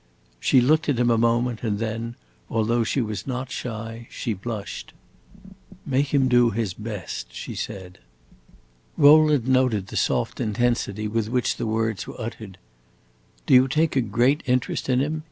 She looked at him a moment and then, although she was not shy, she blushed. "Make him do his best," she said. Rowland noted the soft intensity with which the words were uttered. "Do you take a great interest in him?"